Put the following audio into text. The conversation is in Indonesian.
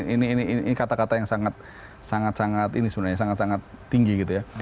ini kata kata yang sangat sangat ini sebenarnya sangat sangat tinggi gitu ya